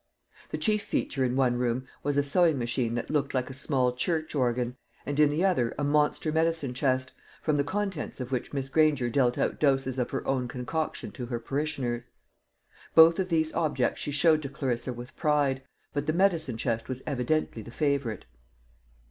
The chief feature in one room was a sewing machine that looked like a small church organ, and in the other a monster medicine chest, from the contents of which Miss Granger dealt out doses of her own concoction to her parishioners. Both of these objects she showed to Clarissa with pride, but the medicine chest was evidently the favourite.